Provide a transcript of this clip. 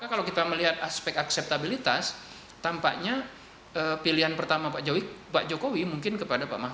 jadi kalau kita lihat aspek akseptabilitas tampaknya pilihan pertama pak jokowi mungkin kepada pak mahfud